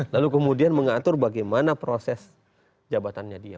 lalu kemudian mengatur bagaimana proses jabatannya dia